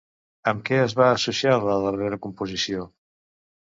Amb què es va associar la darrera composició?